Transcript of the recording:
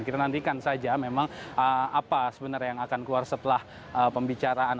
kita nantikan saja memang apa sebenarnya yang akan keluar setelah pembicaraan